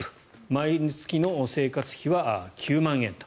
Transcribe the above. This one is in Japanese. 毎月の生活費は９万円と。